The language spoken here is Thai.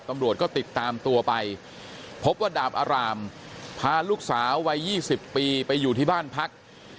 ตำรวจก็ติดตามตัวไปพบว่าดาบอารามพาลูกสาววัย๒๐ปีไปอยู่ที่บ้านพัก